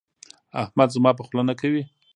احمد زما په خوله نه کوي.